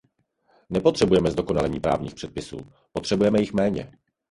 Nepotřebujeme zdokonalení právních předpisů, potřebujeme jich méně.